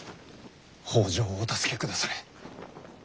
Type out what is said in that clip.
北条をお助けくだされ。